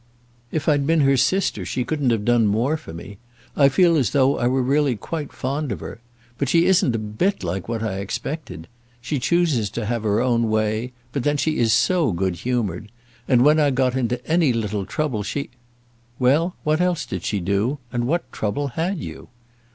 "If I'd been her sister she couldn't have done more for me. I feel as though I were really quite fond of her. But she isn't a bit like what I expected. She chooses to have her own way; but then she is so good humoured! And when I got into any little trouble she " "Well, what else did she do; and what trouble had you?"